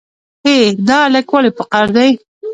ای دا الک ولې په قار دی.